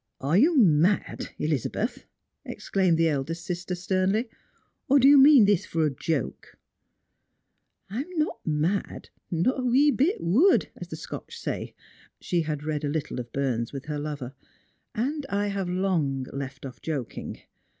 "Are you mad, Elizabeth? " exclaimed the eldest sister sternly ;" or do you mean this for a joke ?"" I am not mad, not a wee bit wud, as the Scotch say "— Bhe had read a httle of Burns with her lover —" and I have long left off joking.